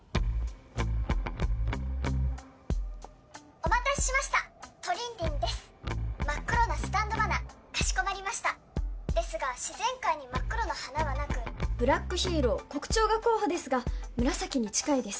お待たせしましたトリンリンです真っ黒なスタンド花かしこまりましたですが自然界に真っ黒な花はなくブラックヒーロー黒蝶が候補ですが紫に近いです